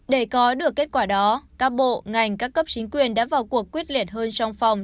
để có được kết quả đó các bộ ngành các cấp chính quyền đã vào cuộc quyết liệt hơn trong phòng